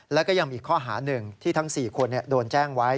แล้วก็ยังมีข้อหาหนึ่งที่ทั้ง๔คนโดนแจ้งไว้